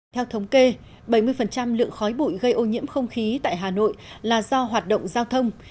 theo thống kê bảy mươi lượng khói bụi gây ô nhiễm không khí tại hà nội là do hoạt động giao thông